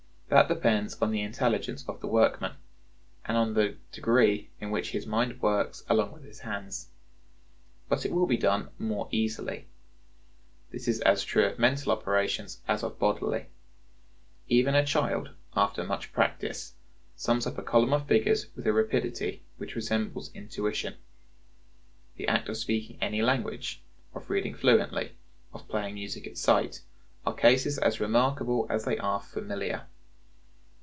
That depends on the intelligence of the workman, and on the degree in which his mind works along with his hands. But it will be done more easily. This is as true of mental operations as of bodily. Even a child, after much practice, sums up a column of figures with a rapidity which resembles intuition. The act of speaking any language, of reading fluently, of playing music at sight, are cases as remarkable as they are familiar.